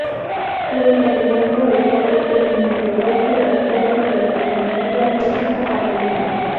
Fue Hernando de Soto el iniciador de las obras de la primitiva fuerza habanera.